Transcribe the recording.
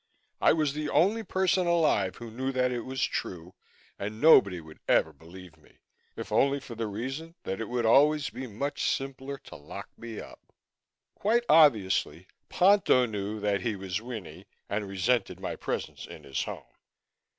I was the only person alive who knew that it was true and nobody would ever believe me, if only for the reason that it would always be much simpler to lock me up. Quite obviously, Ponto knew that he was Winnie and resented my presence in his home.